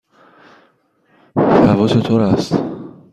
هوا چطور است؟